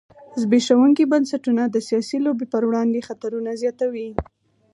زبېښونکي بنسټونه د سیاسي لوبې پر وړاندې خطرونه زیاتوي.